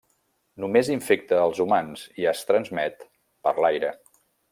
Només infecta els humans i es transmet per l'aire.